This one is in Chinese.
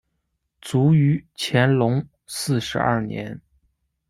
卒于乾隆四十二年。